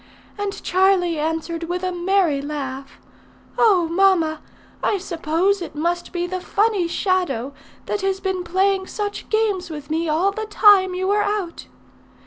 And Charlie answered with a merry laugh, 'Oh! mamma, I suppose it must be the funny shadow that has been playing such games with me all the time you were out.'